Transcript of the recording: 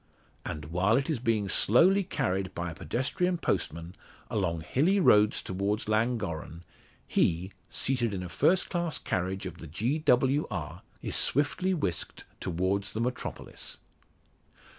And while it is being slowly carried by a pedestrian postman, along hilly roads towards Llangorren, he, seated in a first class carriage of the Gr.W.R., is swiftly whisked towards the metropolis.